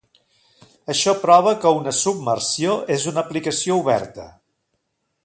Això prova que una submersió és una aplicació oberta.